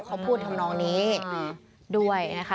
เขาพูดทำนองนี้ด้วยนะคะ